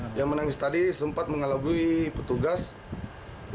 hai petugas yang menangis tadi sempat mengalami petugas yang menangis tadi sempat mengalami petugas